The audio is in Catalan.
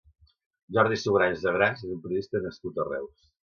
Jordi Sugranyes Agràs és un periodista nascut a Reus.